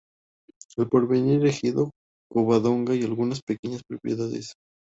El Porvenir, Ejido Covadonga y algunas pequeñas propiedades.